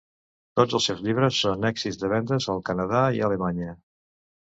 Tots els seus llibres són èxits de vendes al Canadà i a Alemanya.